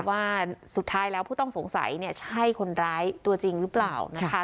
ว่าสุดท้ายแล้วผู้ต้องสงสัยเนี่ยใช่คนร้ายตัวจริงหรือเปล่านะคะ